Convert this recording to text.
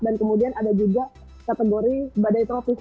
dan kemudian ada juga kategori badai tropis